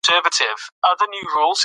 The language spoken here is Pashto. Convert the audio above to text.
خطبې بايد په پښتو وي.